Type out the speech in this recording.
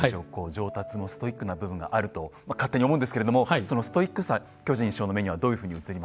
上達もストイックな部分があると勝手に思うんですけれどもそのストイックさ巨人師匠の目にはどういうふうに映りますか？